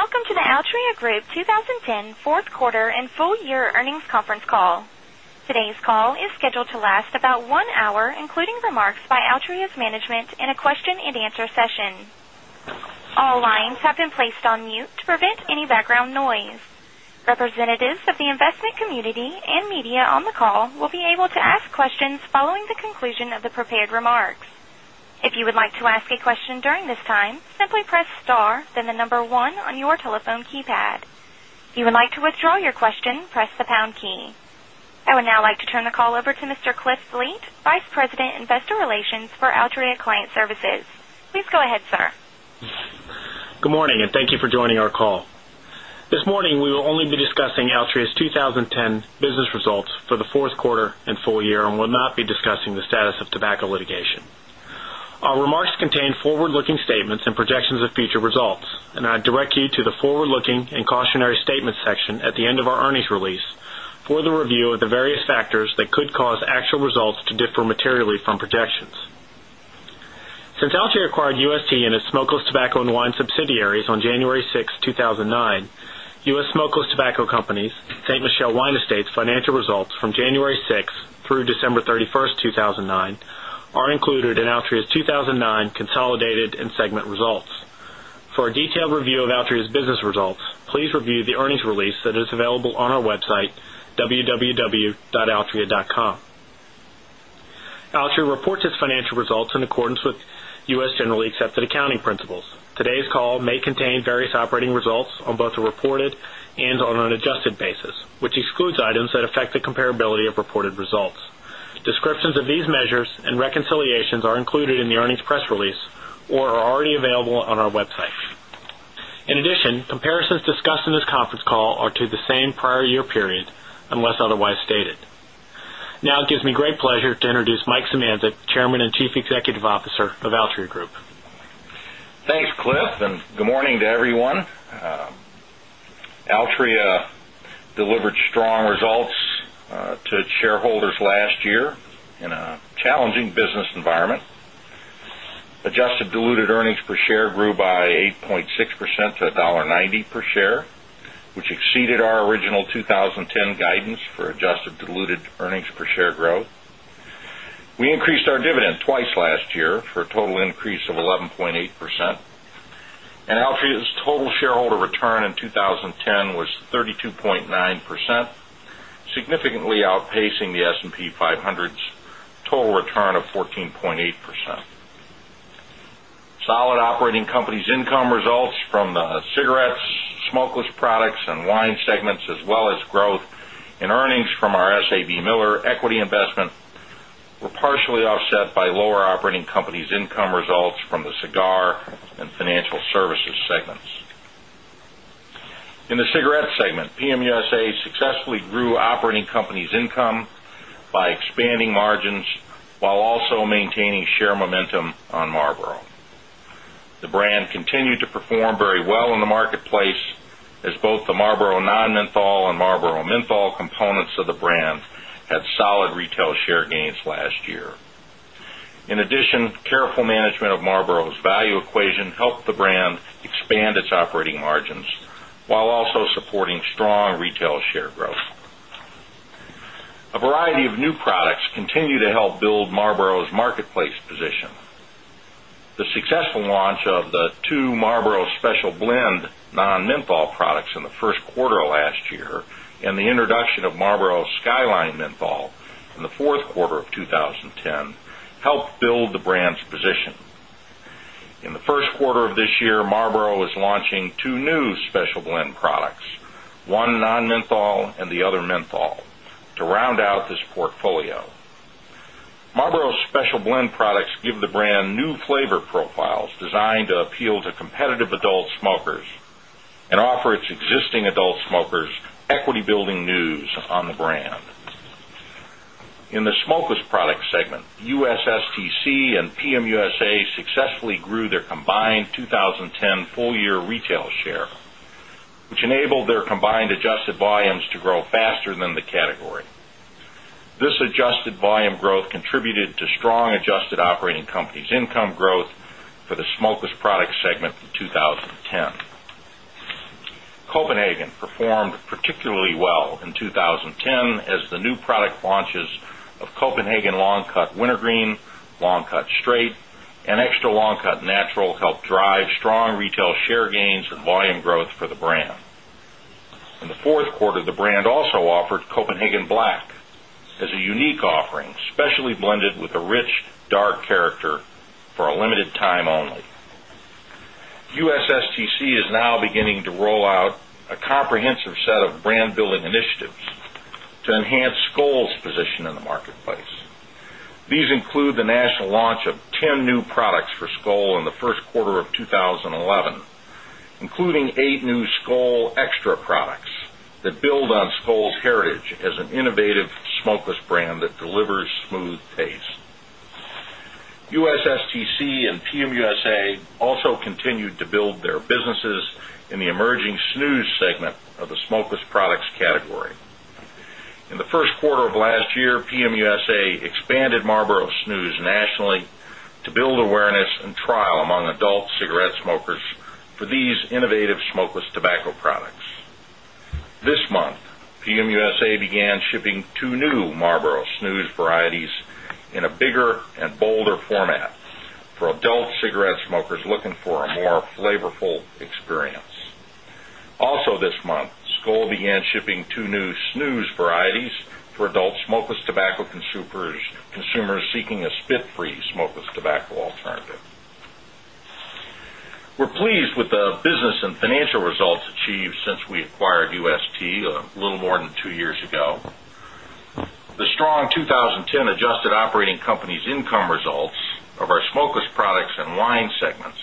Good day, and welcome to the Altria Group 20 10 4th Quarter and Full Year Earnings Conference Call. Today's call is now like to turn the call over to Mr. Cliff Fleet, Vice President, Investor Relations for Altria Client Services. Please go ahead, sir. Good morning and thank you for joining our call. This morning, we will only be discussing Altria's 20 10 business results for the Q4 and full year and will not be discussing the status of tobacco litigation. Our remarks contain forward looking statements and projections of future results, and I direct you to the forward looking and cautionary statements section at the end of our earnings release for the review of the various factors that could cause actual results to differ materially from projections. Since Altria acquired UST and its Smokeless Tobacco and Wine subsidiaries on January 6, 2000 and 9, U. S. Smokles Tobacco Company's St. Michel Wine Estates financial results from January 6 through December 31, 2009 are included in Altria's 2009 consolidated and Segment Results. For a detailed review of Altria's business results, please review the earnings release that is available on our website, www.altria. Com. Altria reports its financial results in accordance with U. S. Generally accepted accounting principles. Today's call may contain various operating results on both a reported and on an adjusted basis, which excludes items that affect the comparability of reported results. Description of these measures and reconciliations are included in the earnings press release or are already available on our website. In addition, comparisons discussed in this conference call are to the same prior year period unless otherwise stated. Now it gives me great pleasure to introduce Mike Samanze, Chairman and Chief Executive Officer of Altria Group. Thanks, Cliff, and good morning to everyone. Altria delivered strong results to its shareholders last year in a challenging business environment. Adjusted diluted earnings per share grew by 8.6 percent to $1.90 per share, which exceeded our original 2010 guidance for adjusted diluted earnings per share growth. We increased our dividend twice last year for a total increase of 11.8%. And Altria's total shareholder return in 20 10 was 32.9%, significantly outpacing the S and P 500's total return of 14.8%. Solid operating companies income results from the cigarettes, smokeless products and wine segments as well as growth in earnings from our SABMiller equity investment were partially offset by lower operating companies income results from the Cigar and Financial Services segments. In In the share growth. A variety of new products continue to help build Marlboro's marketplace position. The successful launch of the 2 Marlboro special blend non menthol products in the Q1 last year and the introduction of Marlboro Skyline menthol in the Q4 of 2010 helped build the brand's position. In the Q1 of this year, Marlboro is launching 2 new special blend products, 1 non menthol and the other menthol to round out this portfolio. Marlboro's special blend products give the brand new flavor profiles designed to appeal to competitive adult smokers and offer its existing adult smokers equity building news on the brand. In the Smokas product segment, US STC and PM USA successfully grew their combined 20 10 full year retail share, which enabled their combined adjusted volumes to grow faster than the category. This adjusted volume growth contributed to strong adjusted operating companies income growth for the Smokeless Products segment Long Cut Wintergreen, Long Cut Straight and Extra Long Cut Natural helped drive strong retail share gains and volume growth for the brand. In the Q4, the brand also offered Copenhagen Black as a unique offering, especially blended with a rich dark character for a limited time only. USSTC is now beginning to roll out a comprehensive set of brand building initiatives to enhance Skol's position in the marketplace. These include the national launch of 10 new products for Skol in the Q1 of 2011, including 8 new Skol Xtra products that build on Skol's heritage as an innovative smokeless businesses in the emerging snus segment of the smokeless products category. In the Q1 of last year, PM USA expanded Marlboro Snooze nationally to build awareness and trial among adult cigarette smokers for these innovative smokeless tobacco products. This month, PM USA began shipping 2 new Marlboro Snooze varieties in a bigger and bolder format for adult cigarette smokers looking for a more flavorful experience. Also this month, Skol began shipping 2 new snooze varieties for adult smokeless tobacco consumers seeking a spit free smokeless tobacco alternative. We're pleased with business and financial results achieved since we acquired UST a little more than 2 years ago. The strong 2010 adjusted operating company's income results of our Smokeless Products and Wine segments,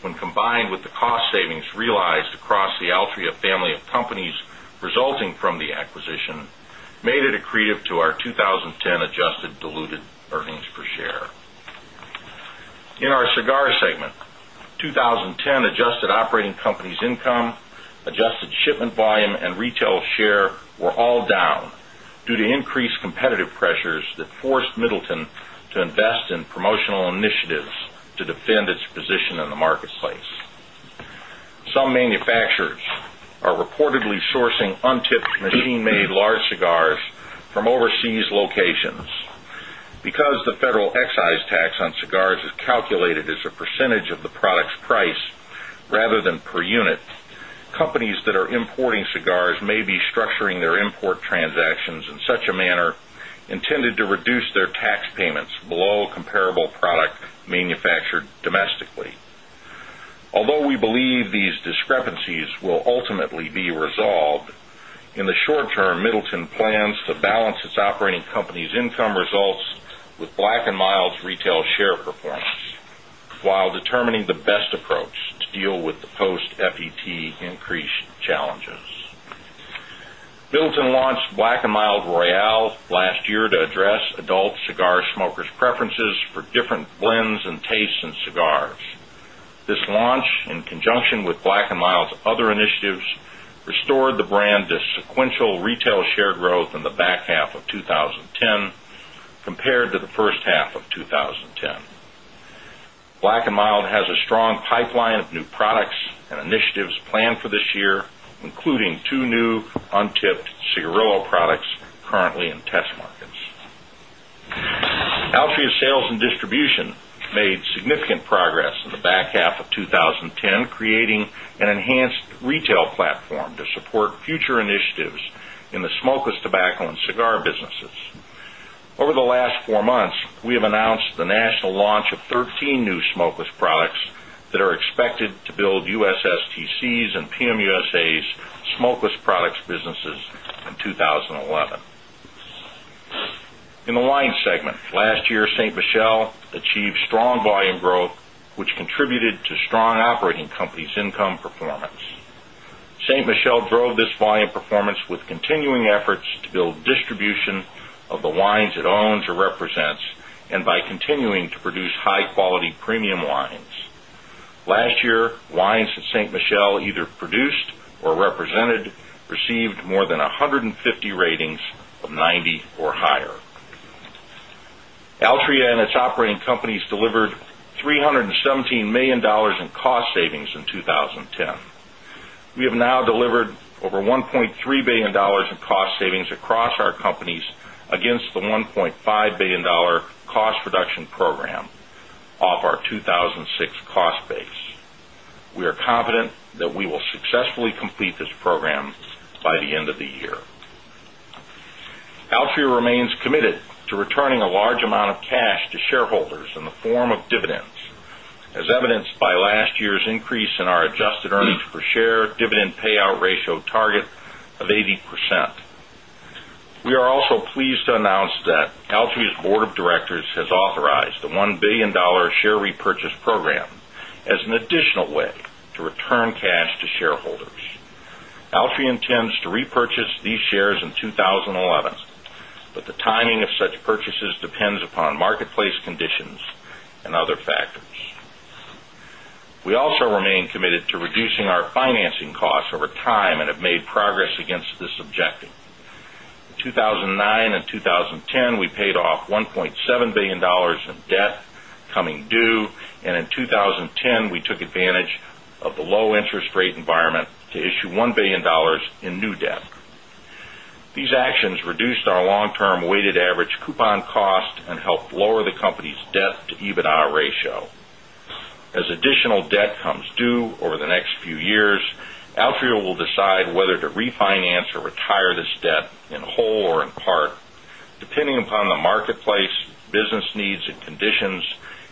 when combined with the cost savings realized across the Altria family of companies resulting from the acquisition, made it accretive to our 10 adjusted operating companies income, adjusted shipment volume and retail share were all down due to increased competitive pressures that forced Middleton to invest in promotional initiatives to defend its position in the marketplace. Some manufacturers are reportedly sourcing untipped machine made large cigars from overseas locations. Because the are importing cigars may be structuring their import transactions in such a manner intended to reduce their tax payments below resolved, in the short term, Middleton plans to balance its operating company's income results with Black and determining the best approach to deal with the post FET increased challenges. Milton launched Black and Mild Royale last year to address adult cigar smokers' preferences for different blends and tastes in cigars. This launch in conjunction with Black and Mild's other initiatives restored the brand to sequential retail share growth in the back half of twenty ten compared to the first half of twenty ten. Black and Mild has a strong pipeline of new products and initiatives planned for this year, including 2 new untipped Cielo products currently in test markets. Altria sales and distribution made significant progress in the back half of 2010, creating an enhanced retail platform to support future initiatives in the smokeless tobacco and cigar businesses. Over the last 4 months, we have announced the national launch of 13 new smokeless products that are expected to build U. S. STC's and PM USA's smokeless products businesses in 2011. In the line segment, last year, St. Michelle achieved strong volume growth, which contributed to strong operating companies' income performance. Ste. Michelle drove this volume with continuing efforts to build distribution of the wines it owns or represents and by continuing to produce high quality premium wines. Last year, wines at Ste. Michelle either produced or represented more than 150 ratings of 90 or higher. Altria and its operating companies delivered 3 $17,000,000 in cost savings in 20 10. We have now delivered over $1,300,000,000 in cost savings across our companies against the $1,500,000,000 cost reduction program of our 2,006 cost base. We are confident that we will successfully complete this program by the end of the year. Altria remains committed to returning a large amount of cash to shareholders in the form of dividends, as evidenced by last year's increase in our adjusted earnings per share dividend payout ratio target of 80%. We are also pleased to announce that Altria's Board of Directors has authorized the 1 $1,000,000,000 share repurchase program as an additional way to return cash to shareholders. Altria intends to repurchase these shares in 2011, but the timing of such purchases depends upon marketplace conditions and other factors. We also remain committed to reducing our financing costs over time and have made progress against this objective. In 2,009 2,009 of the low interest rate environment to issue $1,000,000,000 in new debt. These actions reduced our long term weighted average coupon cost and helped lower the company's debt to EBITDA ratio. As additional debt comes due over the next few years, Altria will decide whether to refinance or retire this debt in whole or in part depending upon the marketplace, business needs and conditions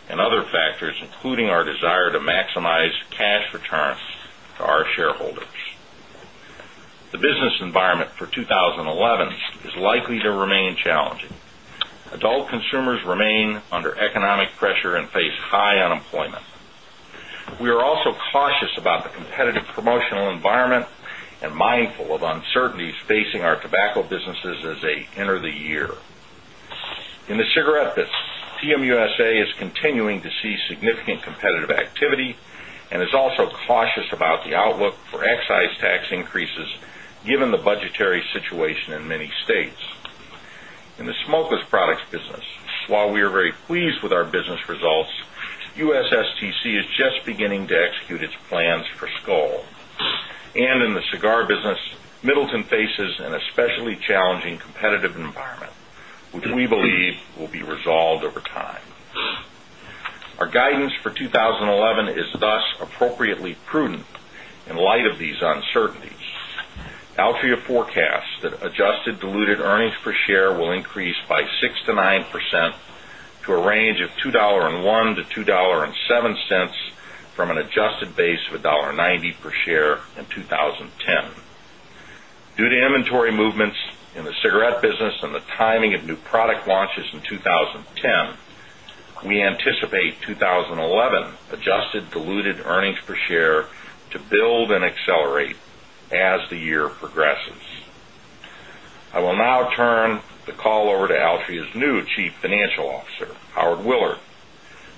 and other factors, including our desire to maximize cash returns to our shareholders. Environment for 2011 is likely to remain challenging. Adult consumers remain under economic pressure and face high unemployment. We are also cautious about the competitive promotional environment and mindful of uncertainties facing our tobacco businesses as they enter the year. In the cigarette business, TMUSA is continuing to see significant competitive activity and is also cautious about the outlook for excise tax increases given the budgetary situation in many states. In the smokeless products business, while we are very pleased with our business results, USSTC is just beginning to execute its plans for Skol. And in the cigar business, Middleton faces an especially challenging competitive environment, which we believe will be resolved over time. Our guidance for 2011 is thus appropriately prudent in light of these uncertainties. Altria forecasts that adjusted diluted earnings per share will increase by 6% to 9% to a range of $2.01 to 2 $0.07 from an adjusted base of $1.90 per share in 20 $10 Due to inventory movements in the cigarette business and the timing of new product launches in 2010, we anticipate 2011 adjusted diluted earnings per share to build and accelerate as the year progresses. I will now turn the call over to Altria's new Chief Financial Officer, Howard Willard,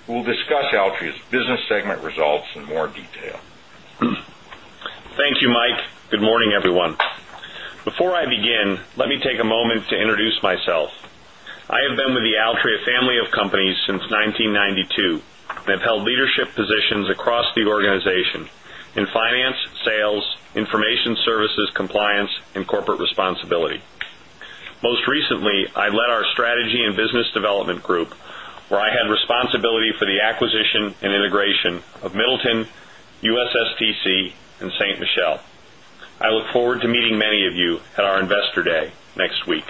who will discuss Altria's business segment results in more detail. Thank you, Mike. Good morning, everyone. Before I begin, let me take a moment to introduce myself. I have been with the Altria family of companies since 1992 and have leadership positions across the organization in finance, sales, information services, compliance and corporate responsibility. Middleton, USSTC and Saint Michel. I look forward to meeting many of you at our Investor Day next week.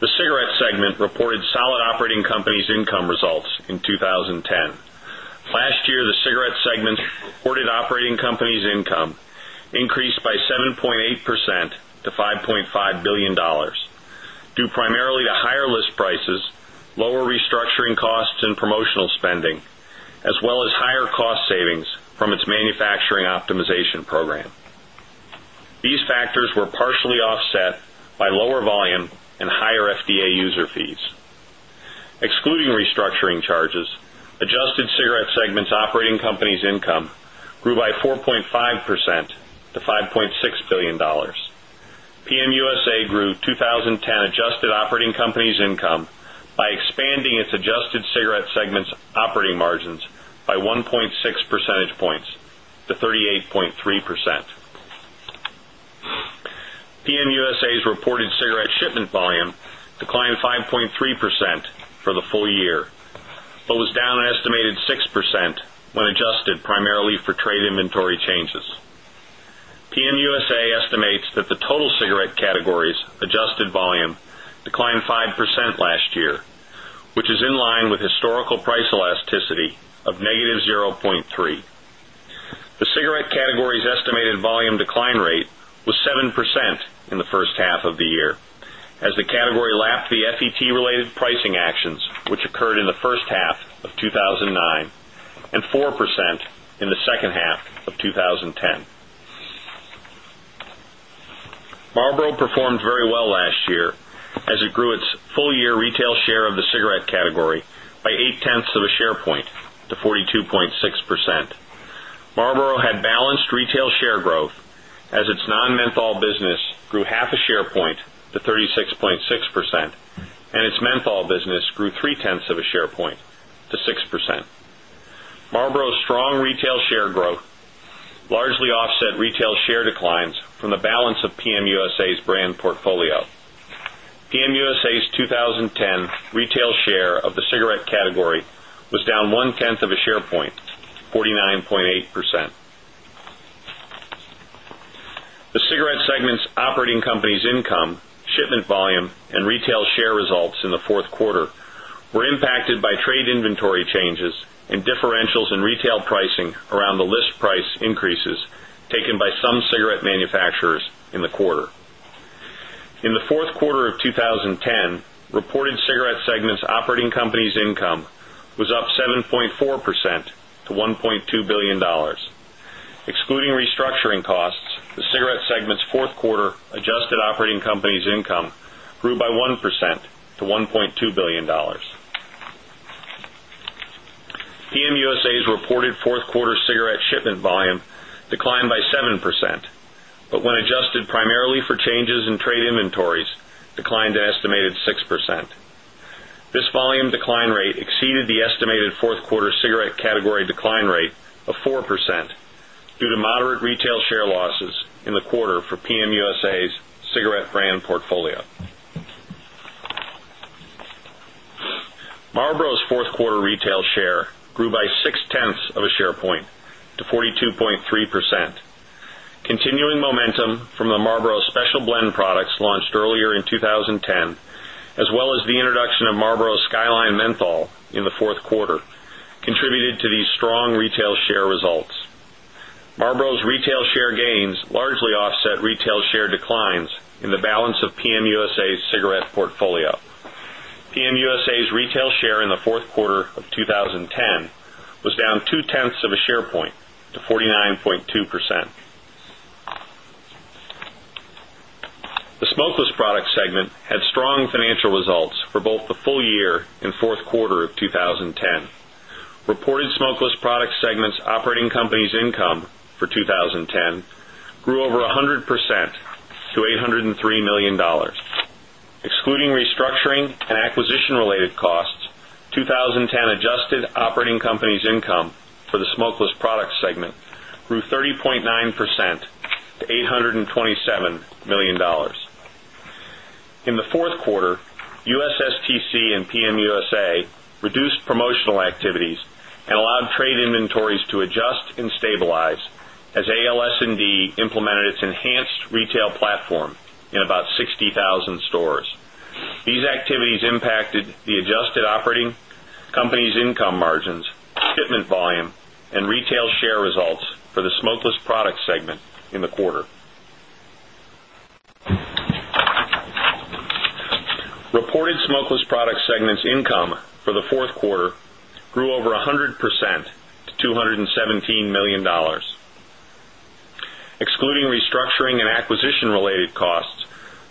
The cigarette segment reported solid operating companies income results in 2010. Last year, the cigarette segment reported operating company's income increased by 7.8 percent to 5.5 $1,000,000,000 due primarily to higher list prices, lower restructuring costs and promotional spending, as well as higher cost savings from its manufacturing optimization program. These factors were partially 10 adjusted operating company's income by expanding its adjusted cigarette segment's operating margins by 1.6 percentage points to 38.3%. PM USA's reported cigarette shipment volume declined 5.3 percent for the full year, but was down an estimated 6% when adjusted primarily for trade inventory changes. PM USA estimates that the total cigarette categories adjusted volume declined 5% last year, which is in line with historical price FET as the category lapped the FET related pricing actions, which occurred in the first half of 4% in the second half of twenty ten. Marlboro performed very well last year as it grew its full year retail share of the cigarette category by 0.8th of a share point to 42.6%. Marlboro had balanced retail share growth as its non menthol business grew 0.5 share point to 36.6 percent and its menthol business grew 0.3% of a share point to 6%. Marlboro's strong retail share growth largely offset retail share declines from the balance of PM USA's brand portfolio. PM USA's 2010 retail share of the cigarette category was down 1 tenth of a share point, 49.8%. The cigarette segment's operating company's income, shipment volume and retail share results in the 4th quarter were impacted by trade inventory changes and differentials in retail pricing around the list price increases taken by some cigarette manufacturers in the quarter. In the Q4 of 2010, reported cigarette segments operating costs, the cigarette segment's 4th quarter adjusted operating company's income grew by 1% to $1,200,000,000 PM USA's reported 4th quarter cigarette shipment volume declined by 7%, but when adjusted primarily for changes in trade inventories declined an estimated 6%. This volume decline rate exceeded the estimated 4th quarter cigarette category decline rate of 4% due to moderate retail share losses in the quarter for PM USA's cigarette brand portfolio. Marlboro's 4th quarter retail share grew by 0.6 of a share point to 40 2.3%. Continuing momentum from the Marlboro Special Blend products launched earlier in 2010, as well as the introduction of Marlboro Skyline menthol in the Q4 contributed to these strong retail 0.2 Products segment had strong financial results for both the full year and Q4 of 2010. Reported Smokeless Products segment's operating company's income for 20 10 grew over 100 percent to $803,000,000 Excluding restructuring $3,000,000 Excluding restructuring and acquisition related costs, 20 10 adjusted operating company's income for the Smokeless Products segment grew 30.9 percent to 827 $1,000,000 In the Q4, USSTC and PM USA reduced promotional activities and allowed trade inventories to adjust and stabilize as ALS and D implemented its enhanced retail platform in about 60,000 stores. These activities impacted the adjusted operating company's income margins, shipment volume and retail share $17,000,000 Excluding restructuring and acquisition related costs,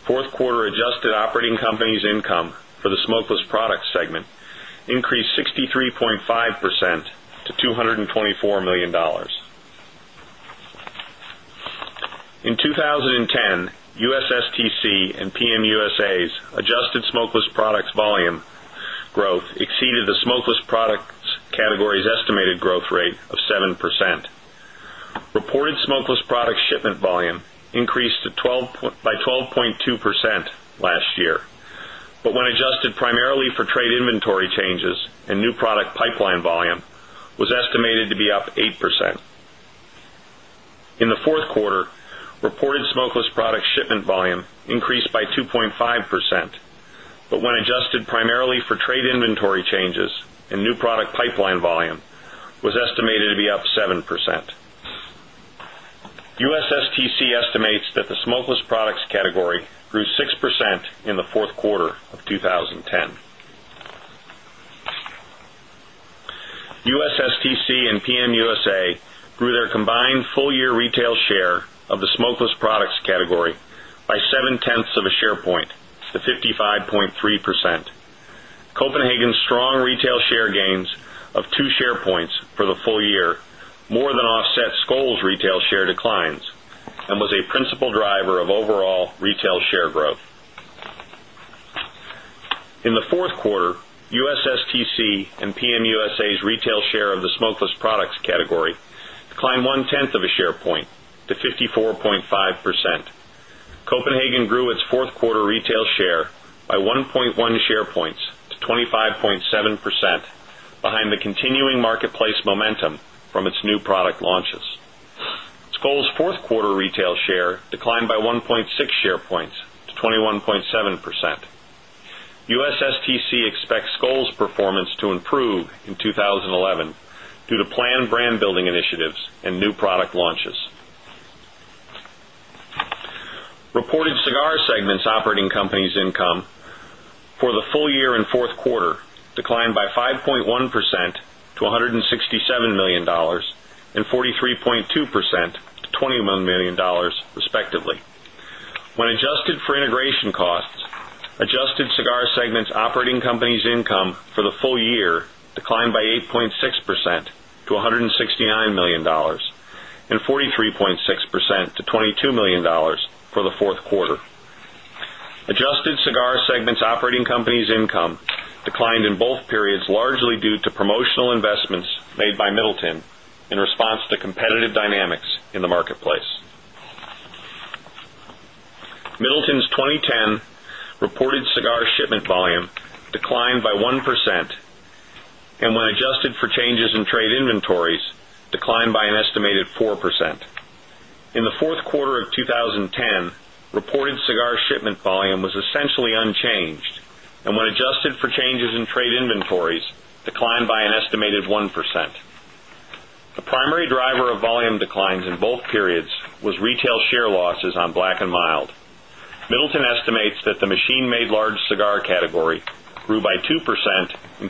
4th quarter adjusted operating company's income for the Smokeless Products segment increased 63.5 percent to $224,000,000 In 2010, USSTC and PM USA's adjusted smokeless products volume growth exceeded the smokeless products categories estimated growth rate of 7%. Reported smokeless product shipment volume increased by 12.2% last year, but when adjusted primarily for trade inventory changes and new product pipeline volume was estimated to be up 8%. In the Q4, reported Smokeless product shipment volume increased by 2.5%, but when adjusted primarily for trade inventory changes and new product pipeline volume was estimated to be up 7%. USSTC estimates that the smokeless products category grew 6% in the Q4 of 2010. USSTC and PM USA grew their combined full year retail share of the smokeless products year more than offset Skol's retail share declines and was a principal driver of overall retail share growth. In the Q4, USSTC and PM USA's retail share of the smokeless products category declined 1 tenth of a share point to 54.5%. Copenhagen grew its 4th quarter retail share by 1.1 share points to 25.7 percent behind the continuing marketplace momentum from its new product launches. Skol's 4th quarter quarter 0.2 percent to $20,000,000 respectively. When adjusted for integration costs, adjusted Cigar segment's operating company's income for the full year declined by 8.6 percent to $169,000,000 and 43.6 percent to $22,000,000 for the 4th quarter. Adjusted Cigar Segment's operating company's income declined in both periods largely due to promotional investments made by Middleton in response to competitive dynamics in the marketplace. Middleton's 2010 reported cigar shipment volume declined by 1% and when adjusted for changes in trade inventories declined by an estimated 4%. In the Q4 of 2010, reported cigar shipment volume was essentially unchanged and when adjusted for changes in trade inventories declined by an estimated 1%. The primary driver of volume declines in both periods was retail share losses on Black and Mild. Middleton estimates that the machine made large cigar category grew by 2% in 20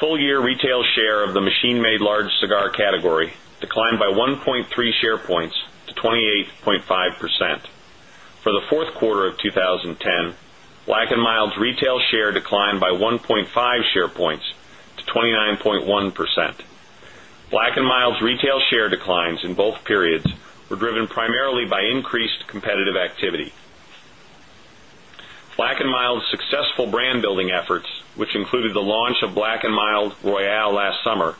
full year retail share of the machine made large cigar category declined by 1.3 share points to 28.5%. For the Q4 of 20 10, Black and Mild's retail share declined by 1.5 share points to 29.1%. Black and Mild's retail share declines in both periods were driven primarily by increased competitive activity. Black and Mild's successful brand building efforts, which included the launch of Black and Mild Royale last summer,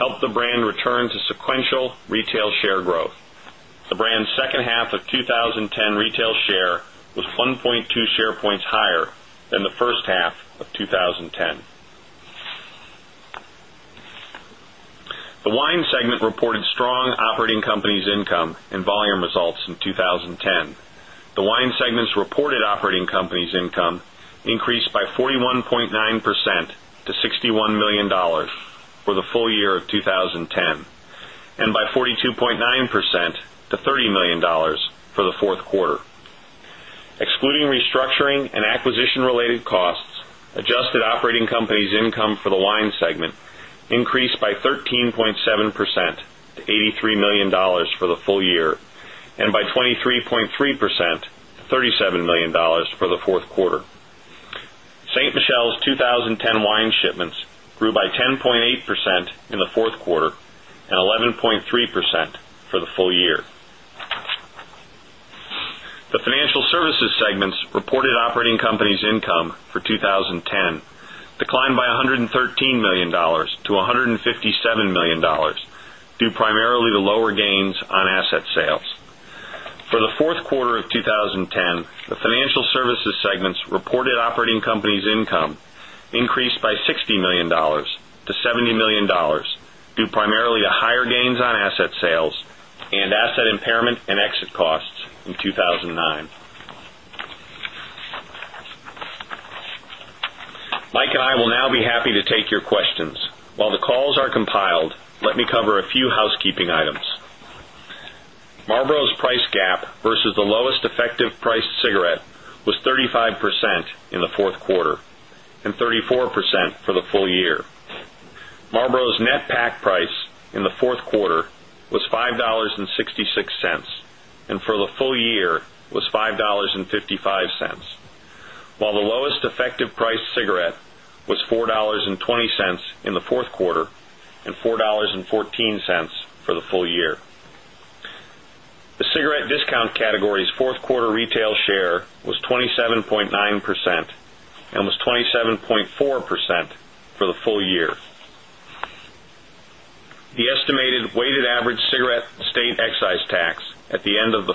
helped the brand return to sequential retail share growth. The brand's 10. The Wine segment's reported operating company's income increased by 41.9 percent to 61,000,000 for the full year of 2010 and by 42.9 percent to $30,000,000 for the 4th quarter. Excluding restructuring and acquisition related costs, adjusted operating companies income for the wine segment increased by 13.7% to $83,000,000 for the full year and by 23.3 percent to $37,000,000 for the 4th quarter. Ste. Michelle's 20 10 wine shipments grew by 10.8 percent in the 4th quarter and 11.3% for the full year. The Financial Services segment's reported operating company's income for 20.10 declined by $113,000,000 to $157,000,000 due primarily to lower gains on asset sales. For the Q4 of 2010, the Financial Services segment's reported operating company's income increased by $60,000,000 to $70,000,000 due primarily to higher gains on asset sales Mike and I will now be happy to take your questions. While the calls are compiled, let me cover a few housekeeping items. Marlboro's price Marlboro's net pack price in the 4th quarter was was $5.55 while the lowest effective price cigarette was $4.20 in the 4th quarter and 4.14 dollars for the full year. The cigarette discount category's 4th quarter retail share was 20 weighted average cigarette state excise tax at the end of the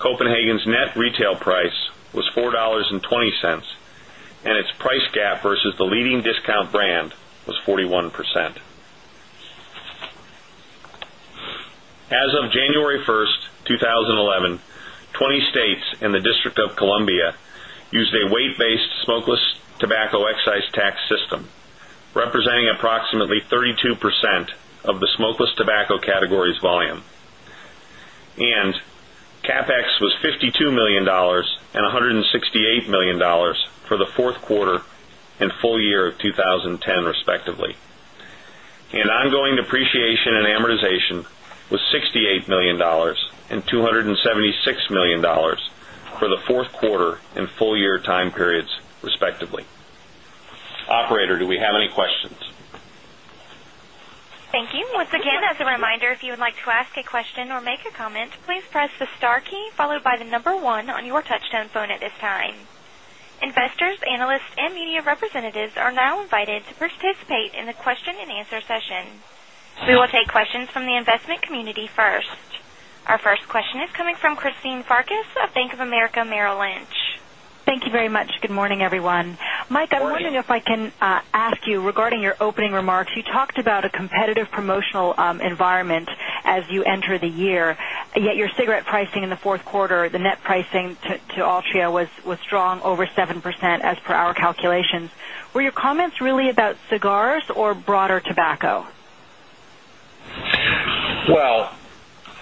41%. As of January 1, 2011, 20 states in the District of Columbia used a weight based smokeless tobacco excise tax system, representing approximately 32% of the smokeless tobacco categories volume. And CapEx was $52,000,000 $168,000,000 for the 4th quarter and full year of 2010 respectively. And ongoing depreciation and amortization was $68,000,000 2.70 $6,000,000 for the Q4 and full year time periods respectively. Operator, do we have any questions? Thank you. Our first question is coming from Christine Farkas of Bank of America Merrill Lynch. Thank you very much. Good morning, everyone. Mike, I'm wondering if I can ask you regarding your opening remarks, you talked about a competitive promotional environment as you enter the year, yet your cigarette pricing in the Yet your cigarette pricing in the Q4, the net pricing to Altria was strong over 7% as per our calculations. Were your comments really about cigars or broader tobacco? Well,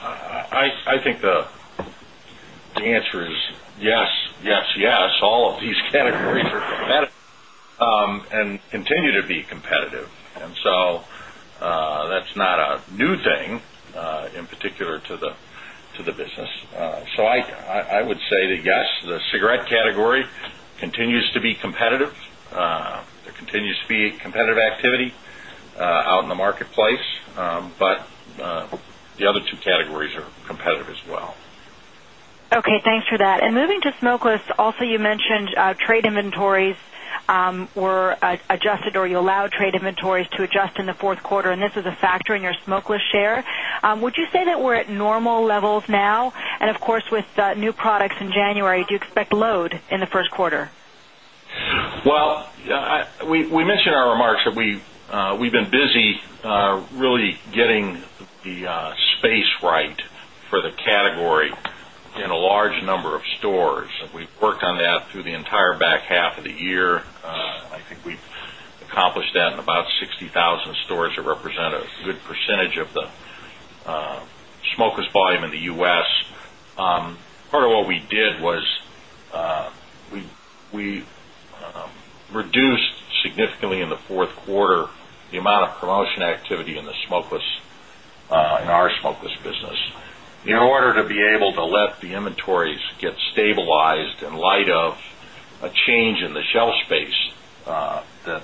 I think the answer is yes, yes, yes. All of these categories are competitive and continue to be competitive. And so that's not a new thing in particular to the business. So I would say that, yes, the cigarette category continues to be competitive. There continues to be competitive activity out in the marketplace, but the other two categories are competitive as well. Okay. Thanks for that. And moving to smokeless, also you mentioned trade inventories were adjusted or you allowed trade inventories to adjust in the Q4 and this is a factor in your smokeless share. Would you say that we're at normal levels now? And of course, with remarks that we in our remarks that we've been busy really getting the space right for the category in a large number of stores. We've worked on that through the entire back half of the year. I think we've accomplished in about 60,000 stores that represent a good percentage of the smokers volume in the U. S. Part of what we did was we reduced significantly in the 4th quarter the amount of promotion activity in the smokeless in our smokeless business. In order to be able to let the inventories get stabilized in light of a change in the shelf space that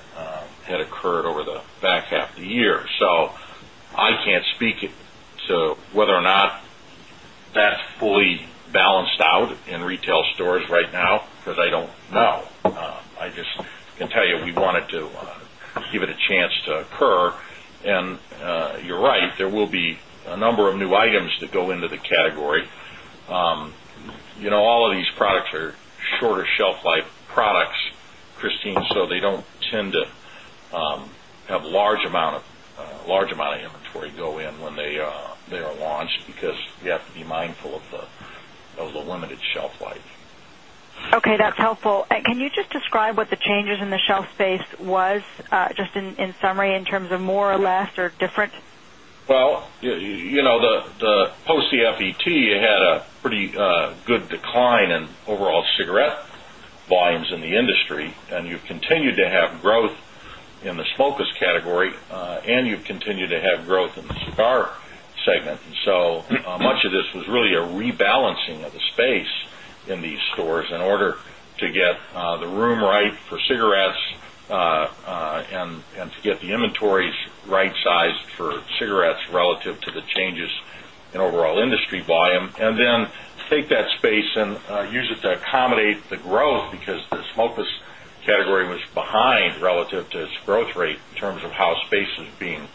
had occurred over the back half of the year. So I can't speak to whether or not that's fully balanced out in retail stores right now, because I don't know. I just can tell you we wanted to give it a chance to occur. And you're right, there will be a number of new items that go into the category. All of these products are shorter shelf life products, Christine, so they don't tend to have large amount of inventory go in when they are launched, because you have to be mindful of the limited terms of more or less or different? Well, the post the FET, you had a pretty good decline in overall cigarette volumes in the industry and you've continued to have growth in the smokers category and you've continued to have growth in the cigar segment. And so much of this was really a rebalancing of the space in these stores in order to get the room right for cigarettes and to the inventories right sized for cigarettes relative to the changes in overall industry volume. And then take that space and use it to accommodate the growth because the smokeless category was behind relative to its growth rate in terms of how space is being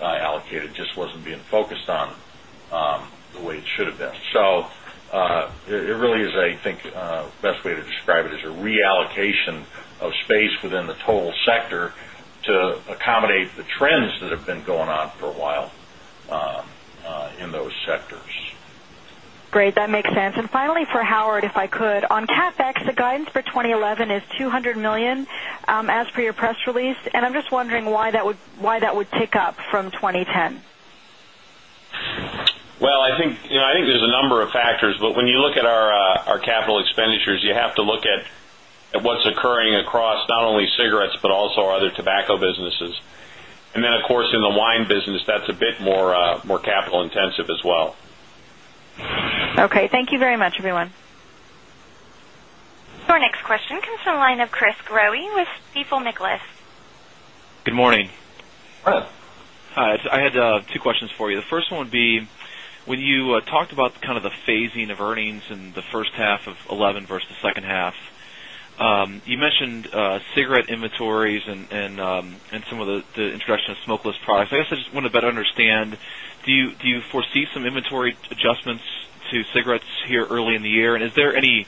allocated, just wasn't being focused on the way it should have been. So it really is, I think, best way to describe it is a reallocation of space within the total sector to accommodate the trends that have been going on for a while in those sectors. Great. That makes sense. And finally for Howard, if I could. On CapEx, the guidance for 2011 is $200,000,000 as per your press release. And I'm just wondering why that would tick up from 2010? Well, I think there's a number of factors. But when you look at our capital expenditures, you have to look at at what's occurring across not only cigarettes, but also other tobacco businesses. And then of course in the wine business, that's a bit more capital intensive as well. Okay. Thank you very much everyone. Your next question comes from the line of Chris Growe with Stifel Nicolaus. Good morning. Good morning. Hi. I had two questions for you. The first one would be, when you talked about kind of the phasing of earnings in the first half of 'eleven versus the second half, you mentioned cigarette inventories and some of the introduction of smokeless products. I guess I just want to better understand, do you foresee some inventory adjustments to cigarettes here early in the year? And is there any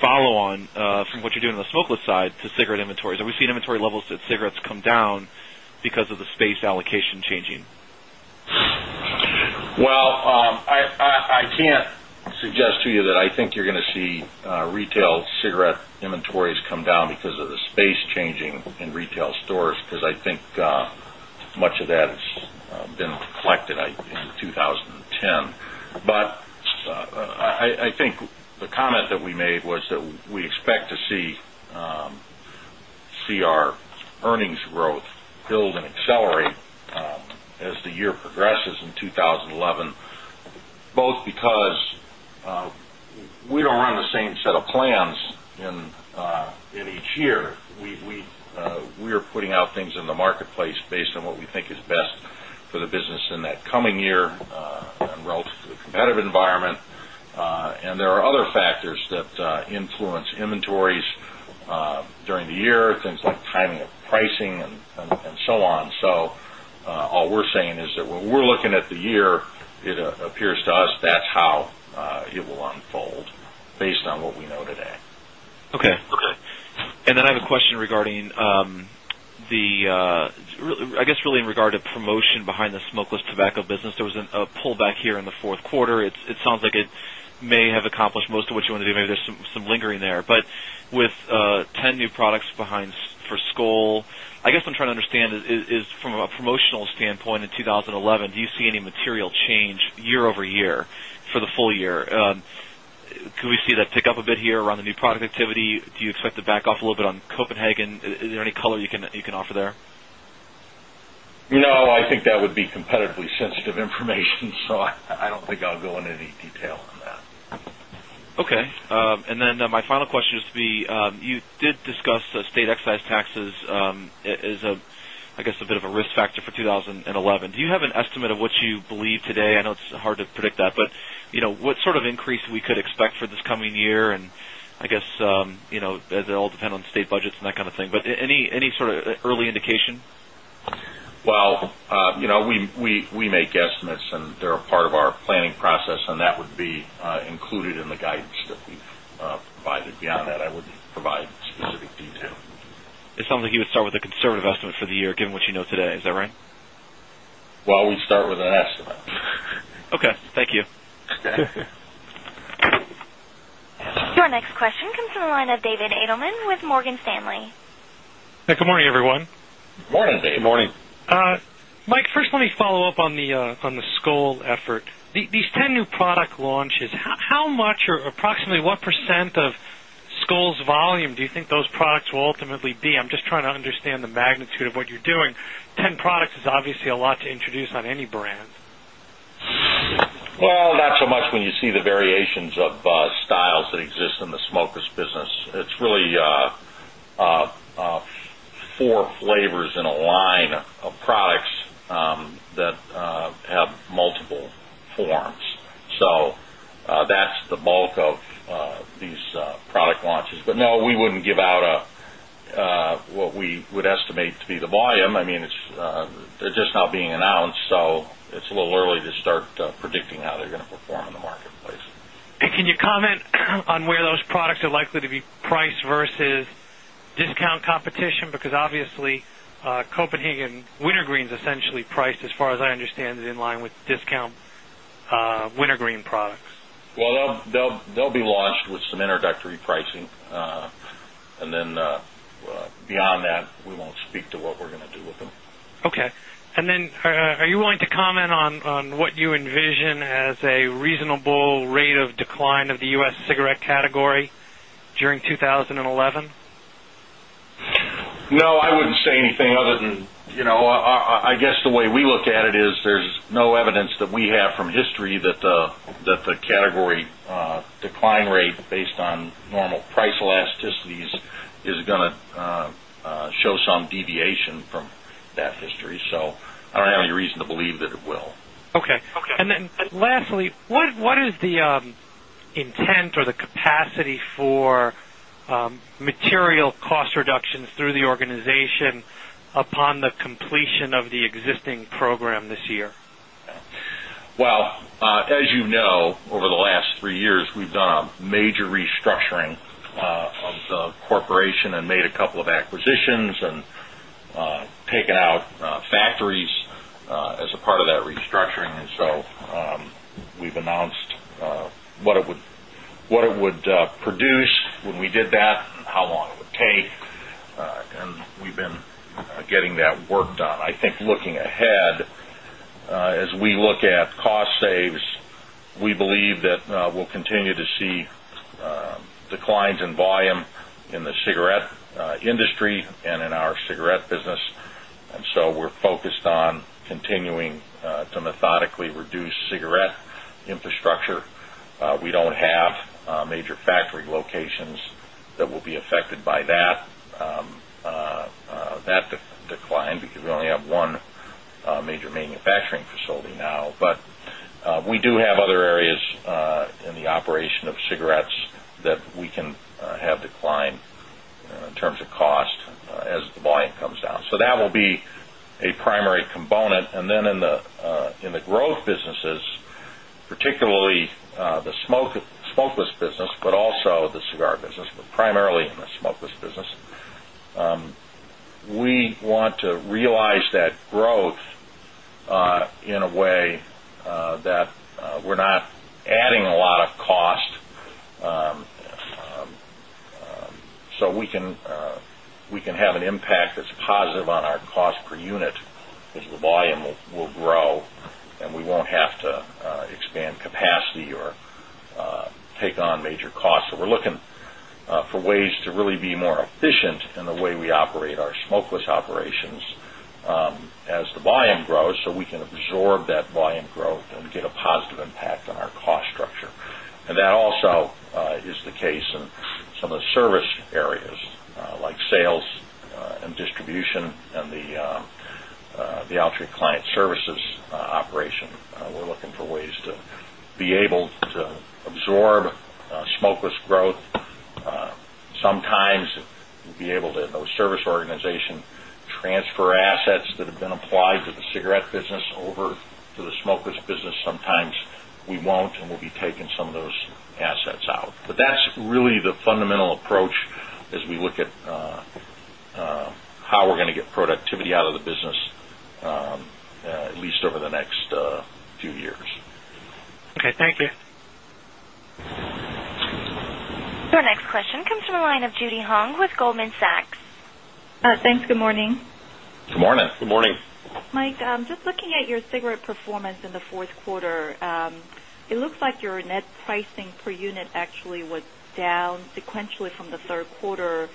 follow on from what you do on the smokeless side to cigarette inventories? Are we seeing inventory levels at cigarettes come down because of the space allocation changing? Well, I can't suggest to you that I think you're going to see retail cigarette inventories come because of the space changing in retail stores, because I think much of that has been reflected in 2010. But I think the comment that we made was that we expect to see our earnings growth build and accelerate as the year progresses in 2011, both because we don't run the same set of plans in each year. We are putting out things in the marketplace based on what we think is best for the business in that coming year and relative to the competitive environment. And there are other factors that influence inventories during the year, things like timing of how it will unfold based on what we know today. Okay. And then I have a question regarding the I guess really in regard to promotion behind the smokeless tobacco business. There was a pullback here in the Q4. It sounds like it may have accomplished most of what you want to do, maybe there's some lingering there. But with 10 new products behind for Skol, I guess I'm trying to understand is from a promotional standpoint in 2011, do you see any material change year over year for the full year? Could we see that pick a bit here around the new product activity? Do you expect to back off a little bit on Copenhagen? Is there any color you can offer there? No, I think that would be competitively sensitive information. So I don't think I'll go into any detail on that. Okay. And then my final question is to be, you did discuss the state excise taxes as a, I guess, a bit of a risk factor for 2011. Do you have an estimate of what you believe today? I know it's hard to predict that, but what sort of increase we could expect for this coming year? And I guess, as it all depends on state budgets and that kind of thing, but any sort of early indication? Well, we make estimates and they're a part of our planning process and that would be included in the guidance that we've provided. Beyond that, I wouldn't provide specific detail. It sounds like you would start with a conservative estimate for the year given what you know today. Is that right? Well, we with an estimate. Okay. Thank you. Your next question comes from the line of David Adelman with Morgan Stanley. Good morning, everyone. Good morning, David. Good morning. Mike, first let me follow-up on the Skol effort. These 10 new product launches, how much or approximately what percent of Skol's volume do you think those products will ultimately be? I'm just trying to understand the magnitude of what you're doing. 10 products is obviously a lot to introduce on any brand. Well, not so much when you see the variations of styles that exist in the smokers business. It's really 4 flavors in a line of products that have multiple forms. So that's the bulk of these product launches. But no, we wouldn't give out what we would estimate to be the volume. I mean, it's just not being announced. So it's a little early to start predicting how they're going to perform in the marketplace. Can you comment on where those products are likely to be priced versus discount competition because obviously Copenhagen Wintergreen is essentially priced as far as I understand is in line with discount Wintergreen products? Well, they'll be launched with some introductory pricing. And then beyond that, we won't speak to what we're going to do with them. Okay. And then are you willing to comment on what you envision as a reasonable rate of decline of the U. S. Cigarette category during 2011? No, I wouldn't say anything other than I guess the way we look at it is there's no evidence that we have from history that the category decline rate based on normal price elasticities is going to show some deviation from that history. So, I don't have any reason to believe that it will. Okay. And then lastly, what is the intent or the capacity for material cost reductions through the organization upon the completion of the existing program this year? Well, as you know, over the last 3 years, we've done a major restructuring of the corporation and made a couple of acquisitions and taken out factories as a part of that restructuring. And so we've announced what it would produce when we did that and how long it would take. And we've been getting that work done. I think looking ahead, as we look at cost saves, we believe that we'll continue to see declines in volume in the cigarette industry and in our cigarette business. And so we're focused on continuing to affected by that decline because we only have 1 major manufacturing facility now. But we do have other areas in the operation of cigarettes that we can have decline in terms of cost as the volume comes down. So that will be a primary component. And then in the growth businesses, particularly the smokeless business, but also the we want to realize that growth, We want to realize that growth in a way that we're not adding a lot of cost. So we can have an impact that's positive on our cost per unit as the volume will grow and we won't have to expand capacity or take on major costs. So we're looking for ways to really be more efficient in the way we operate our smokeless operations as the volume grows, so we can absorb that volume growth and get a positive impact on our cost structure. And that also is the case in some of the service areas like sales and distribution and the Altria client services operation. We're looking for ways to be able to absorb smokeless growth. Sometimes, we'll be able to in those service organization, transfer assets that have been applied to the cigarette business over to the smokers business. Sometimes we won't and we'll be taking some of those assets out. But that's really the fundamental approach as we look at how we're going to get productivity out of the business at least over the next few years. Okay. Thank you. Your next question comes from line of Judy Hong with Goldman Sachs. Thanks. Good morning. Good morning. Good morning. Mike, just looking at your cigarette performance in the 4th quarter, it looks like your net pricing per unit actually was down sequentially from the Q3,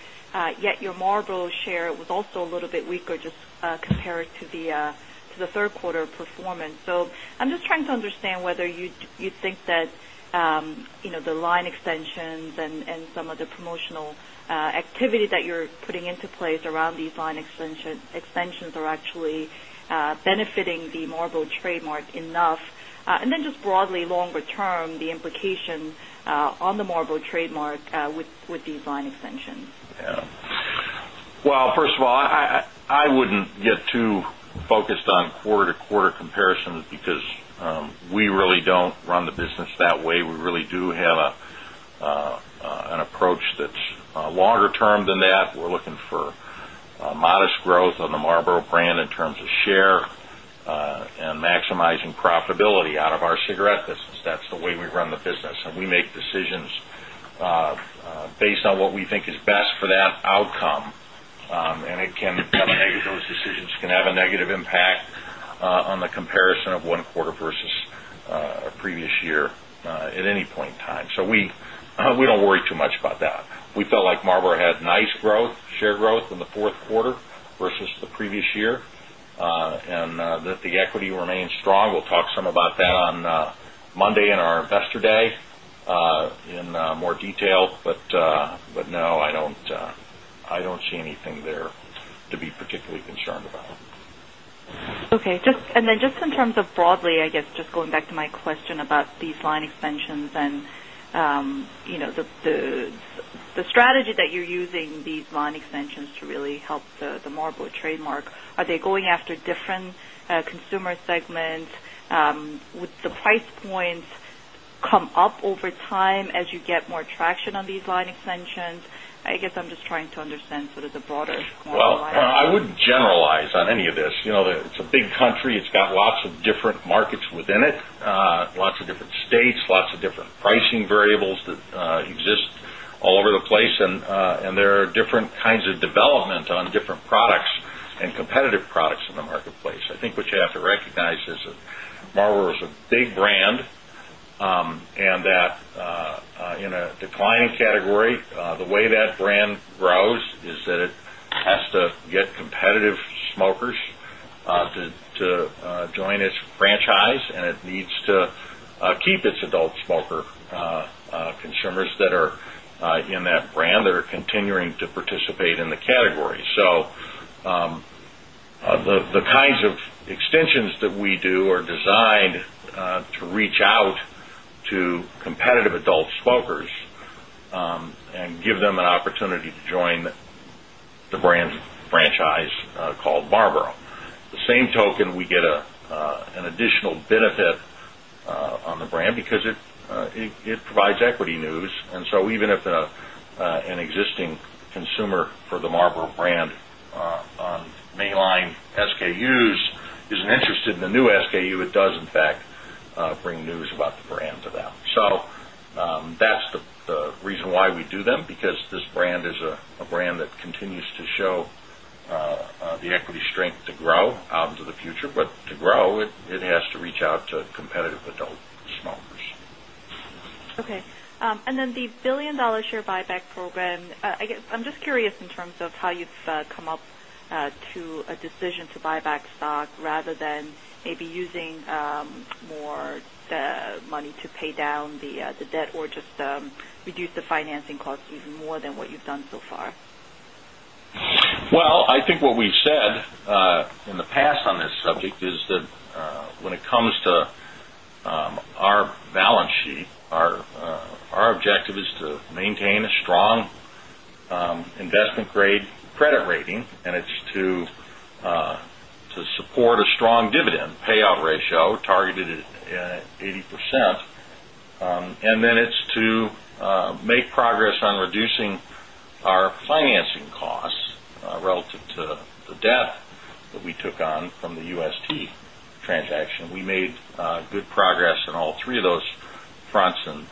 yet your Marlboro share was also a little bit weaker just compared to the Q3 performance. So I'm just trying to understand whether you think that the line extensions and some of the promotional activity that you're putting into place around these line extensions are actually benefiting the Marlboro trademark enough? And then just broadly longer term, the implication on the Marlboro trademark with these line extensions? Yes. Well, first of all, I wouldn't get too focused on quarter to quarter comparisons because we really don't run the business that way. We really do have an approach that's longer term than that. We're looking for modest growth on the Marlboro brand in terms of share and maximizing profitability out of our cigarette business. That's the way we run the business. And we make decisions based on what we think is best for that outcome. And it can those decisions, can have a negative impact on the comparison of 1 quarter versus previous year at any point in time. So we don't worry too much about that. We felt like Marlboro had nice growth, share growth in the Q4 versus the previous year and that the equity remains strong. We'll talk some about that on Monday in our Investor Day in more detail. But I don't see anything there to be particularly concerned about. Okay. And then just in terms of broadly, I guess, just going back to my question about these line extensions and the strategy that you're using these line extensions to really help the Marlboro trademark, are they going after different consumer segments? Would the price points come up over time as you get more traction on these line extensions? I guess, I'm just trying to understand sort of the broader Well, I wouldn't generalize on any of this. It's a big country. It's got lots of different markets within it, lots of different states, lots of different pricing variables that exist all over the place and there are different kinds of development on different products and competitive products in the marketplace. I think what you have to recognize is that Marlboro is a big brand and that in a declining category, the way that reach out to competitive adult smokers and give them an opportunity to join the brand franchise called Marlboro. The same token, we get an additional benefit on the brand, because it provides equity news. And so, isn't interested SKUs isn't interested in the new SKU, it does in fact bring news about the brand to them. So that's the reason why we do them, because this brand is a brand that continues to show the equity strength to grow out into the future. But to grow, it has to reach out to competitive adult smokers. Okay. And then the $1,000,000,000 share buyback program, I guess, I'm just curious in terms of how you've come up to a decision to buy back stock rather than maybe using more money to pay down the debt or just reduce the financing costs even more than what you've done so far? Well, I think what we've said in the past on this subject is that when it comes to our balance sheet, our objective is to maintain a strong investment grade credit rating and it's to support a strong progress on reducing our financing costs relative to the debt that we took on from the UST transaction. We made good progress in all three of those fronts in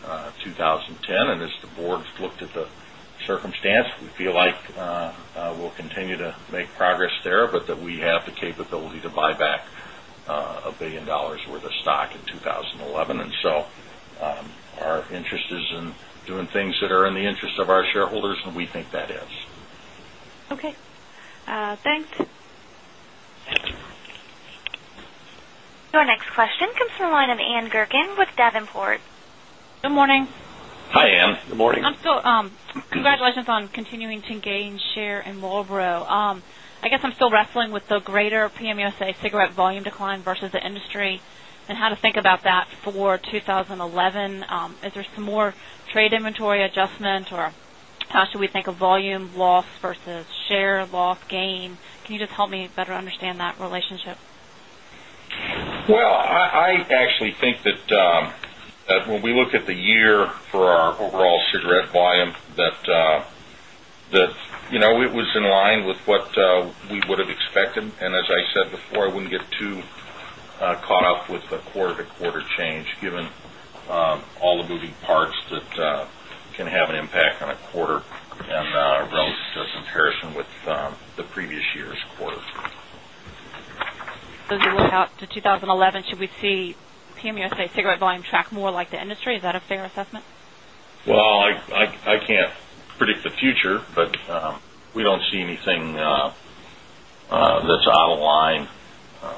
2010. And as the Board looked at the circumstance, we feel like we'll continue to make progress there, but that we have the capability to buy back $1,000,000,000 worth of 20 11. And so, our interest is in doing things that are in the interest of our shareholders and we think that is. Your next question comes from the line of Ann Gurkin with Davenport. Good morning. Hi, Ann. Good morning. Congratulations on continuing to gain share in Marlboro. I guess I'm still wrestling with the greater PM USA cigarette volume decline 2011? Is there some more trade inventory adjustment or how should we think of volume loss versus share loss gain? Can you just help me better understand that relationship? Well, I actually think that when we look at the year for our overall cigarette volume that it was in line with what we would have expected. And as I said before, I wouldn't get too caught up with the quarter to quarter change given all the moving parts that can have an impact on a quarter and relative to this comparison with the previous year's quarter. As we look out to 2011, should we see PM USA cigarette volume track more like the industry? Is that a fair assessment? Well, I can't predict the future, but we don't see anything that's out of line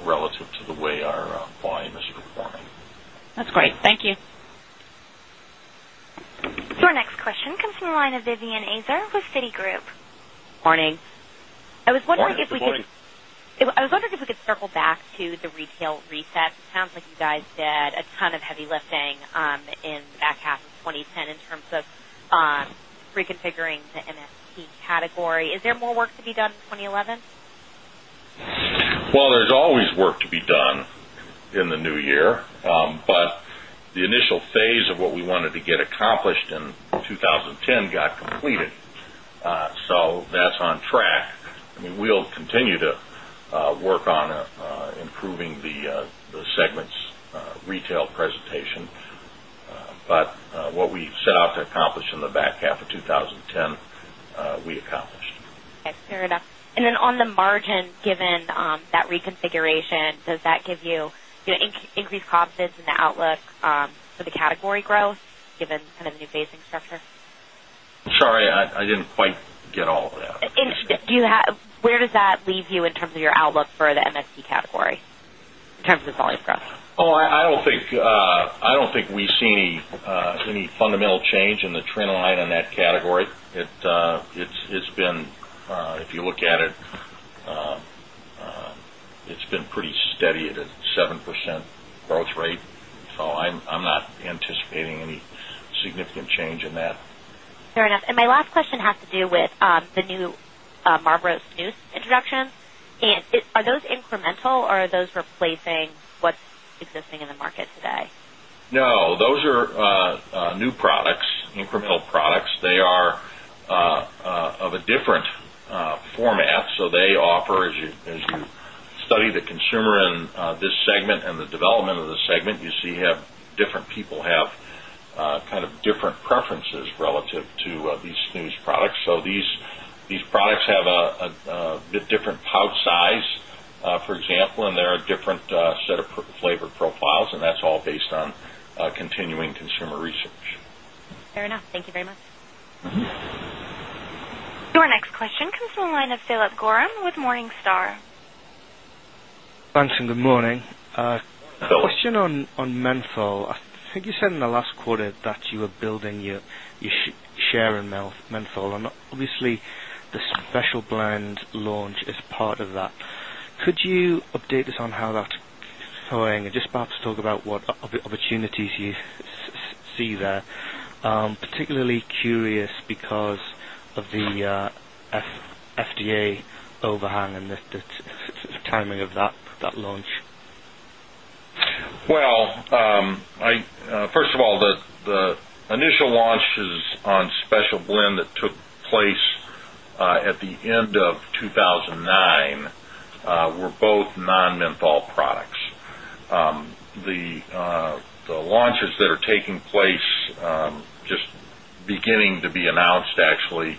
relative to the way our volume is performing. That's great. Thank you. Your next question comes from the line of Vivien Azer with Citigroup. Good morning. Good morning. I was wondering if we could circle back to the retail reset. It sounds like you guys did a ton of heavy lifting in back half of twenty ten in terms of reconfiguring the MSP category. Is there more work to be done in 2011? Well, there's always work to be done in the New Year, but the initial phase of what we wanted to get accomplished in 2010 got completed. So that's on track. I mean, we'll continue to work on improving the segments retail presentation. But what we set out to accomplish in the back half of twenty ten, we accomplished. Okay. Fair enough. And then on the margin, given that reconfiguration, does that give you increased confidence in the outlook for the category growth given kind of new basing structure? Sorry, I didn't quite get all of that. Where does that leave you in terms of your outlook for the MSC category in terms of volume growth? I don't think we any fundamental change in the trend line in that category. It's been if you look at it, it's been pretty steady at a 7% growth rate. So I'm not anticipating any significant change in that. Fair enough. And my last question has to do with the new Marlboro snus introduction. Are those incremental or are those replacing what's existing in the market today? No, those are new products, incremental products. They are of a different format. So they offer as you study the consumer and this segment and the development of the segment, you see how different people have kind of different preferences relative to these snus products. So these products have a different pouch size, for example, and there are different set of flavor profiles and that's all based on continuing consumer research. Fair enough. Thank you very much. Your next question comes from the line of Philip Gorham with Morningstar. A question on menthol. I think you said in the last quarter that you were building your share in menthol. And obviously, the special blend launch is part of that. Could you update us on how that's flowing? And just perhaps talk about what opportunities you see there? Particularly curious because of the FDA overhang and the timing of that launch. Well, first of all, the initial launches on special blend that took place at the end of 2,009 were both non menthol products. The launches that are taking place just beginning to be announced actually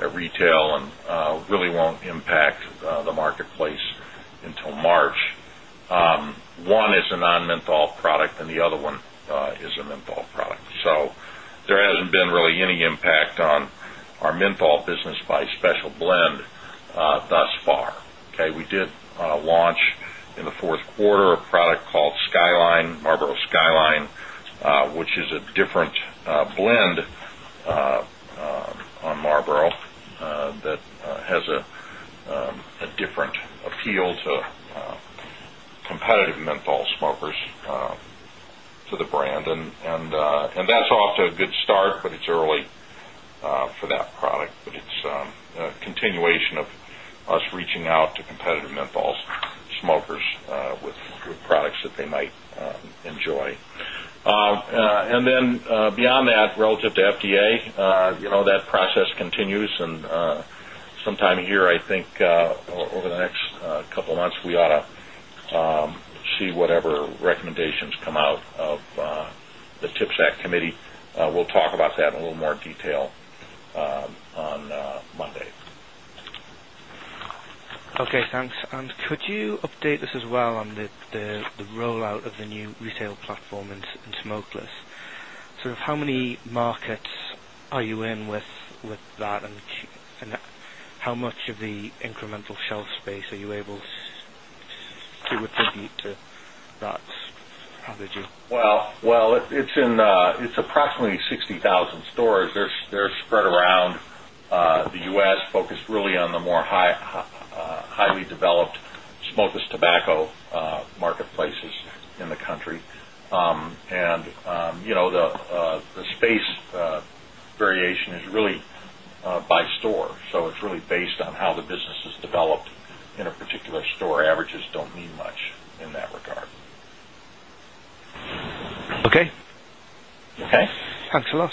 at retail and really won't impact the marketplace on our menthol business by special blend. The on our menthol business by special blend thus far. Okay. We did launch in the Q4 a product called Marlboro Skyline, which is a different blend on Marlboro that has a different appeal to competitive menthol smokers to the brand. And that's off to a good start, but it's early for that product. But it's a continuation of us reaching out to competitive menthol smokers with products that they might enjoy. And then beyond that, relative to FDA, that process continues and sometime a year, I think, over the next couple of months, we ought to see whatever recommendations come out of the CHIPS Act Committee. We'll talk about that in a little more detail on Monday. Okay. And could you update us as well on the rollout of the new retail platform in Smokeless? So how many markets are you in with that? And how much of Well, it's in it's approximately 60 1,000 stores. They're spread around the U. S. Focused really on the more highly developed tobacco marketplaces in the country. And the space variation is really by store. So it's really based on how the business is developed in a particular store. Averages don't mean much in that regard. Okay. Okay. Thanks a lot.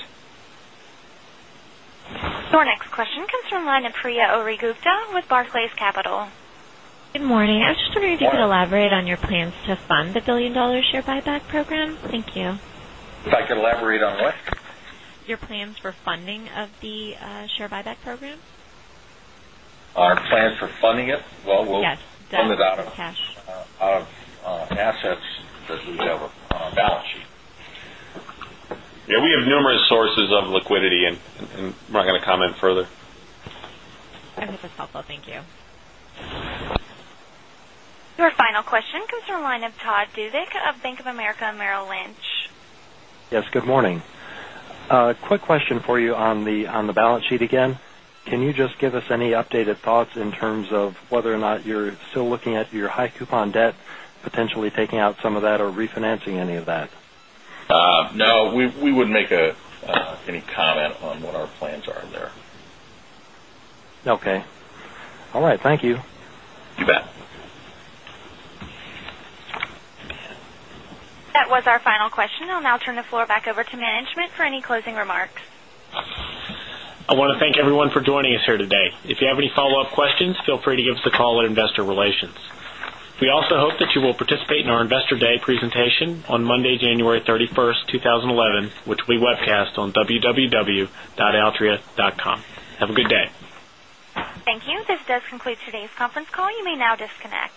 Your next question comes from the line of Priya Ora Gupta with Barclays Capital. Good morning. I was just wondering if you could elaborate on your plans to fund the $1,000,000,000 share buyback program? Thank you. If I could elaborate on what? Your plans for funding of the share buyback program? Our plans for funding it? Well, we'll fund it out of cash assets that we have on our balance sheet. Yes, we have numerous sources of liquidity and we're not going to comment further. That's helpful. Thank you. Your final question comes from the line of Todd Dudzik of Bank of America Merrill Lynch. Yes, good morning. A quick question for you on the balance sheet again. Can you just give us any updated thoughts in terms of whether or not you're still looking at your high coupon debt potentially taking out some of that or refinancing any of that? No. We wouldn't make any comment on what our plans are in there. Okay. All right. Thank you. You That was our final question. I'll now turn the floor back over to management for any closing remarks. I want to thank everyone for joining us here today. If you have any follow-up questions, feel free to give us a call at Investor Relations. We also hope that you will participate in our Investor Day presentation on Monday, January 31, 2011, which we webcast on www.altria.com. Have a good day. Thank you. This does conclude today's conference call. You may now disconnect.